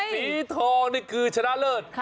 สีทองนี่คือชนะเลิศ